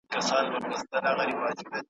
د بوټو مړاوې پاڼې باید وڅېړل سي.